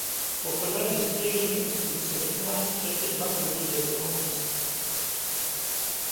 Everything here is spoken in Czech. Poprvé v historii Ligy mistrů se ve finále střetly dva kluby z jednoho města.